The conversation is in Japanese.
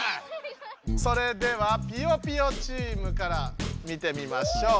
それではぴよぴよチームから見てみましょう。